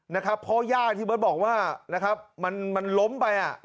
เพราะย่างที่เบอร์ดบอกว่ามันล้มไป